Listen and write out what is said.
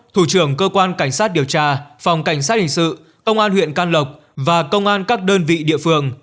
thủ trưởng cơ quan cảnh sát điều tra phòng cảnh sát hình sự công an huyện can lộc và công an các đơn vị địa phương